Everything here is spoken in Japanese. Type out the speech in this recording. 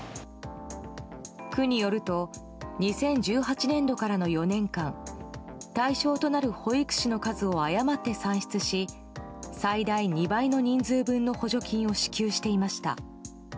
区によると２０１８年度からの４年間対象となる保育士の数を誤って算出し最大２倍の人数分の補助金を支給していました。